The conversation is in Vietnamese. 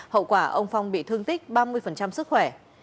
hậu quả ông phong bị thương tích ba mươi sức khỏe